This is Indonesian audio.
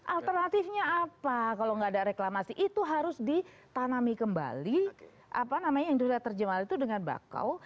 alternatifnya apa kalau nggak ada reklamasi itu harus ditanami kembali apa namanya yang sudah terjemahal itu dengan bakau